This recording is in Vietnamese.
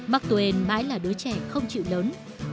mark twain mãi là đứa trẻ không chịu lớn